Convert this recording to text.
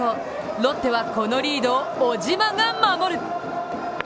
ロッテはこのリードを小島が守る。